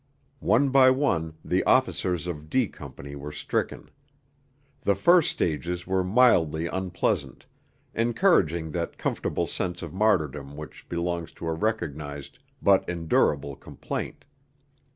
One by one the officers of D Company were stricken. The first stages were mildly unpleasant, encouraging that comfortable sense of martyrdom which belongs to a recognized but endurable complaint.